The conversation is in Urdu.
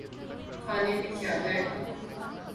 کھانے میں کیا ہے۔